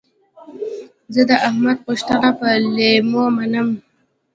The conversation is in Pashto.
زه د احمد غوښتنه پر لېمو منم.